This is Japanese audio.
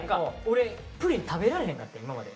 俺プリン食べられへんかってん今まで。